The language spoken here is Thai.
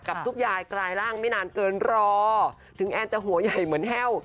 ทุกยายกลายร่างไม่นานเกินรอถึงแอนจะหัวใหญ่เหมือนแห้ว